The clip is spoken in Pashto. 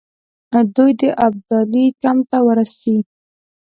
دوی د ابدالي کمپ ته ورسي.